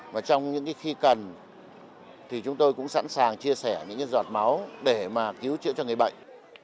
mà trong những cái khi cần thì chúng tôi cũng sẵn sàng chia sẻ những cái giọt máu để mà cứu chữa cho người bệnh